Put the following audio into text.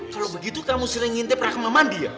kalau begitu kamu sering ngintip rahma mandi ya